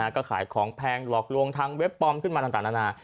ก็ขายของแพงหลอกลวงทางเว็บปลอมขึ้นมาต่างนานา